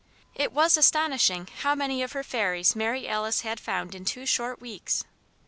It was astonishing how many of her fairies Mary Alice had found in two short weeks!